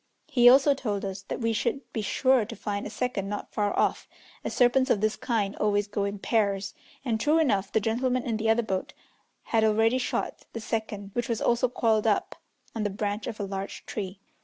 He also told us that we should be sure to find a second not far off, as serpents of this kind always go in pairs, and, true enough, the gentlemen in the other boat had already shot the second, which was also coiled up on the branch of a large tree.